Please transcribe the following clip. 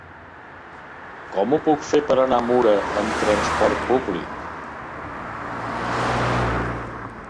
Com ho puc fer per anar a Mura amb trasport públic?